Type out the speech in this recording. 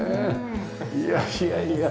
いやいやいや。